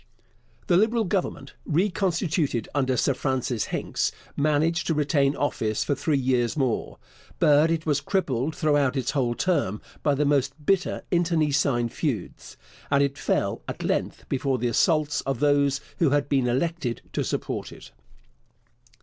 The Liberal Government, reconstituted under Sir Francis Hincks, managed to retain office for three years more; but it was crippled throughout its whole term by the most bitter internecine feuds, and it fell at length before the assaults of those who had been elected to support it.